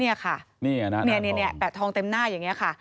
นี่ค่ะแปะทองเต็มหน้าอย่างนี้ค่ะ